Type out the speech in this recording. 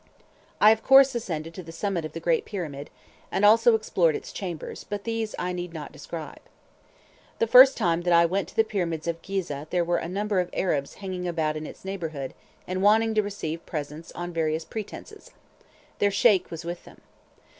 I of course ascended to the summit of the great Pyramid, and also explored its chambers, but these I need not describe. The first time that I went to the Pyramids of Ghizeh there were a number of Arabs hanging about in its neighbourhood, and wanting to receive presents on various pretences; their Sheik was with them.